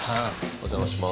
お邪魔します。